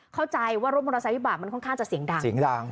เข้าใจว่ารถมอเตอร์ไซค์วิบากมันค่อนข้างจะเสียงดังเสียงดัง